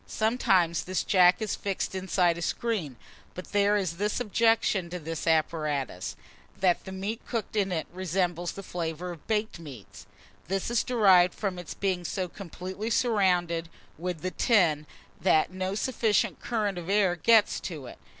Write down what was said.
Sometimes this jack is fixed inside a screen; but there is this objection to this apparatus, that the meat cooked in it resembles the flavour of baked meat. This is derived from its being so completely surrounded with the tin, that no sufficient current of air gets to it.